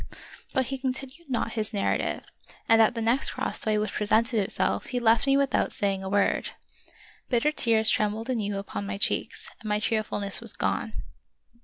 But he continued not his narrative, and at the next crossway which presented itself he left me with out saying a word. Bitter tears trembled anew upon my cheeks, and my cheerfulness was gone.